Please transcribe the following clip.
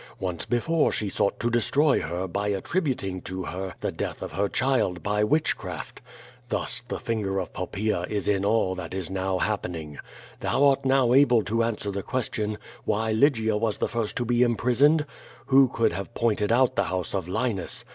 Once before she sought to destroy her by attributing to her the death of her child by witchcraft. Thus the finger of Poppaea is in all that is now happening. Thou art no^v able to answer the question, why Lygia was the first to be imprisoned? Who could have pointed out the house of Linus?